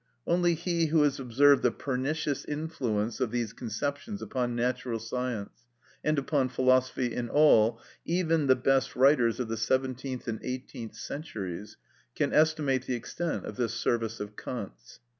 Only he who has observed the pernicious influence of these conceptions upon natural science, and upon philosophy in all, even the best writers of the seventeenth and eighteenth centuries, can estimate the extent of this service of Kant's.